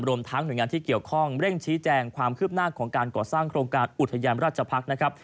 ทั้งหน่วยงานที่เกี่ยวข้องเร่งชี้แจงความคืบหน้าของการก่อสร้างโครงการอุทยานราชภักษ์นะครับ